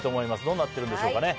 どうなってるんでしょうかね？